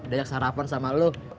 dajak sarapan sama elu